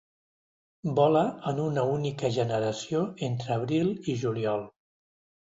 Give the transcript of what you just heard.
Vola en una única generació entre abril i juliol.